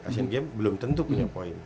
asian games belum tentu punya poin